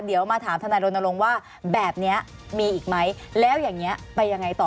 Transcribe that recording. เดี๋ยวมาถามทนายรณรงค์ว่าแบบนี้มีอีกไหมแล้วอย่างนี้ไปยังไงต่อ